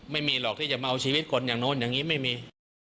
ไม่มีหรอกที่จะมาเอาชีวิตคนอย่างนู้นอย่างนี้ไม่มี